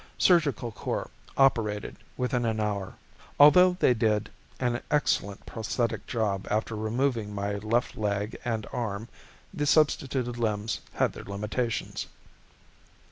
Surgical Corps operated within an hour. Although they did an excellent prosthetic job after removing my left leg and arm, the substituted limbs had their limitations.